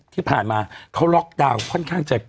ที่ผ่านมาเขาล็อกดาวน์ค่อนข้างจะ